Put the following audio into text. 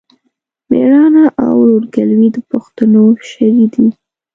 مېړانه او ورورګلوي د پښتنو شری دی.